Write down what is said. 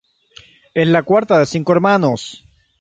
Es la cuarta de cinco hermanos.